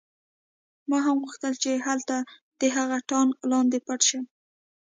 ما هم غوښتل چې هلته د هغه ټانک لاندې پټ شم